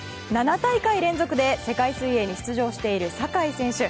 ７大会連続で世界水泳に出場している坂井選手。